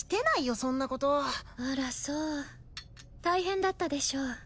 そんなことあらそう大変だったでしょう